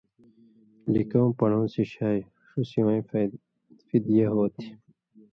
لِکؤں پڑؤں سِچھیائ۔ ݜُو سِوَیں فِدیہ ہوتھی۔